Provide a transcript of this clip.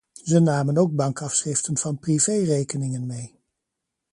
Ze namen ook bankafschriften van privé-rekeningen mee.